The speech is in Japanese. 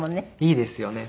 いいですよね。